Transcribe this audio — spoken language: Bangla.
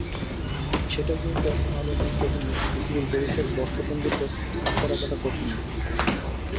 সেটাই যেহেতু এখনো আলোর মুখ দেখেনি, বিসিবির ভবিষ্যৎ বর্ষপঞ্জিতে আস্থা রাখাটা কঠিনই।